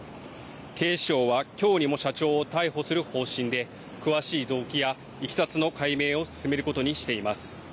警視庁はきょうにも社長を逮捕する方針で詳しい動機やいきさつの解明を進めることにしています。